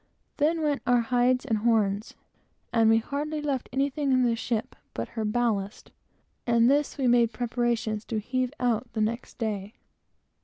Then went all our hides and horns, and we left hardly anything in the ship but her ballast, and this we made preparation to heave out, the next day.